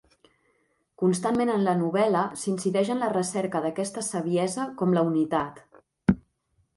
Constantment en la novel·la s'incideix en la recerca d'aquesta saviesa com la Unitat.